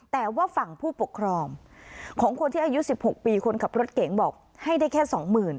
แต่ว่าฝั่งผู้ปกครองของคนที่อายุ๑๖ปีคนขับรถเก๋งบอกให้ได้แค่สองหมื่น